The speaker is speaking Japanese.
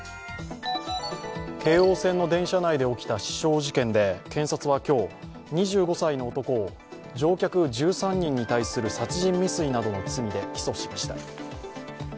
京王線の電車内で起きた刺傷事件で検察は今日、２５歳の男を乗客１３人に対する殺人未遂などの罪で起訴しました。